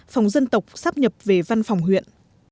phòng dân tộc sắp nhập về văn phòng huyện